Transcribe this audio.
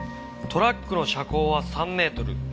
トラックの車高は３メートル。